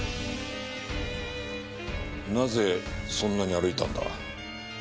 なぜそんなに歩いたんだ？